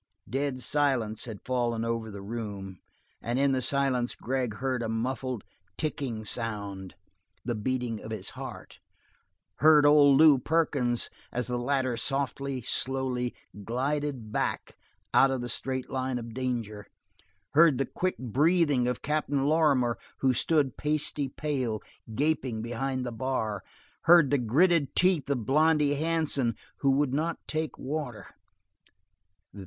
Dead silence had fallen over the room, and in the silence Gregg heard a muffled, ticking sound, the beating of his heart; heard old Lew Perkins as the latter softly, slowly, glided back out of the straight line of danger; heard the quick breathing of Captain Lorrimer who stood pasty pale, gaping behind the bar; heard the gritted teeth of Blondy Hansen, who would not take water.